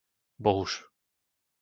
Bohuš